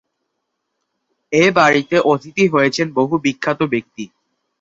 এ বাড়িতে অতিথি হয়েছেন বহু বিখ্যাত ব্যক্তি।